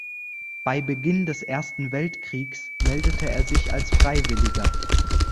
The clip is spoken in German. Bei Beginn des Ersten Weltkriegs meldete er sich als Freiwilliger.